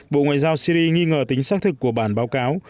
bộ ngoại giao syri nghi ngờ tính xác thực của bản báo cáo